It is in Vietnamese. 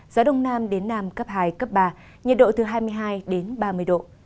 gió đông nam đến nam cấp hai cấp ba nhiệt độ từ hai mươi hai ba mươi độ